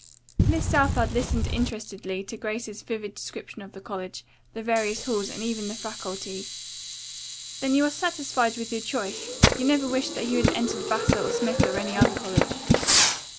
Miss Southard listened interestedly to Grace's vivid description of the college, the various halls and even the faculty. "Then you are satisfied with your choice? You never wish that you had entered Vassar or Smith or any other college?"